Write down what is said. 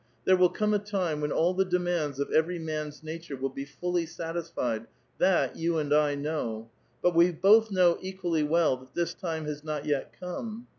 There will come a time when all the de ttiauds of every man*s nature will be fully satisfied, that you *nd I know ; but we both know equally well that this time has not yet come.